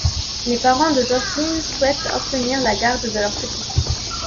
Les parents de Jocelyn souhaitent obtenir la garde de leur petit-fils.